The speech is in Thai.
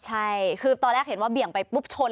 ใช่คือตอนแรกเห็นว่าเบี่ยงไปปุ๊บชน